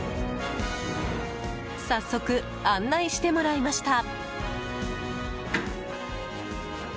早速、案内してもらいました。